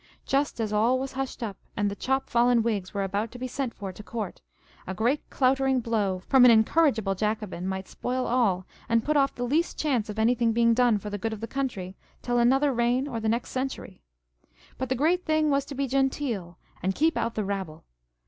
Just as all was hushed up, and the " chop fallen " Whigs were about to be sent for to Court, a great cloutering blow from an incorrigible Jacobin might spoil all, and put off the least chance of anything being done " for the good of the country," till another reign or the next century. But the great thing was to be genteel, and keep out the rabble.